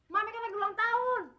mami kan lagi ulang tahun